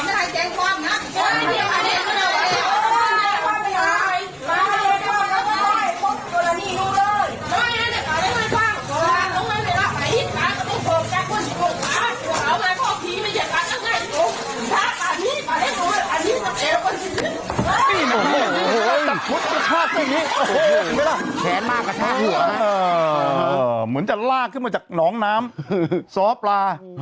แค้นมากกะชาหัวฮะเหมือนจะรากขึ้นมาจากหนองน้ำซ้อปลา